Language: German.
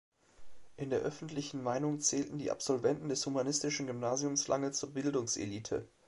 In der öffentlichen Meinung zählten die Absolventen des humanistischen Gymnasiums lange zur Bildungselite.